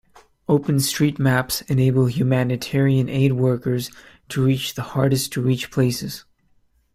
Open street maps enable humanitarian aid workers to reach the hardest to reach places.